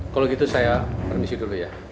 kalau gitu saya permisi dulu ya